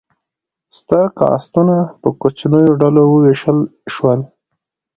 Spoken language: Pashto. ستر کاستونه په کوچنیو ډلو وویشل شول.